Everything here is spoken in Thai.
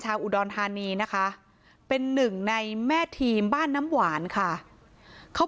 อุดรธานีนะคะเป็นหนึ่งในแม่ทีมบ้านน้ำหวานค่ะเขา